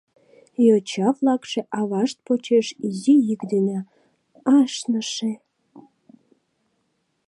Йоча-влакше авашт почеш изи йӱк дене «Ашныше...